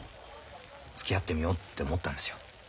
つきあってみようって思ったんですよ。